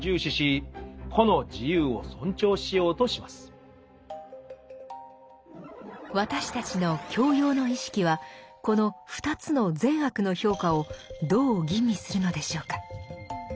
一方で私たちの「教養」の意識はこの２つの善悪の評価をどう吟味するのでしょうか？